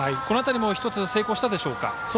この辺りも成功したでしょうか。